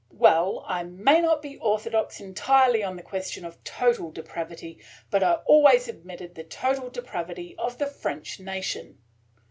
Well, I may not be orthodox entirely on the question of total depravity, but I always admitted the total depravity of the French nation."